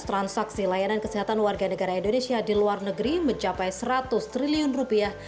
transaksi layanan kesehatan warga negara indonesia di luar negeri mencapai seratus triliun rupiah